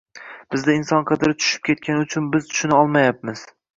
Bizda inson qadri tushib ketgani uchun biz tushuna olmayapmiz.